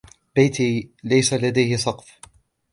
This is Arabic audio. بيتي ليس لديه سقف.